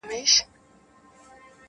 کیسې پاته د امیر سوې د ظلمونو-